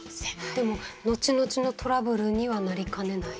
でも後々のトラブルにはなりかねない？